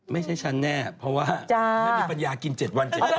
ไม่ใช่ฉันแน่เพราะว่าไม่มีปัญญากินเจ็ดวันเจ็ดเท่าไหร่